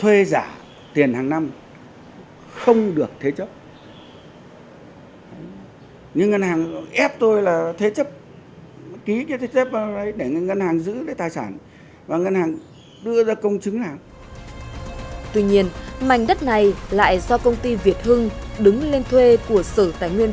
hai năm mòn mỏi trường công lý